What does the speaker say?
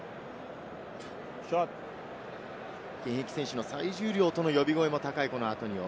現役選手の最重量との呼び声も高いアトニオ。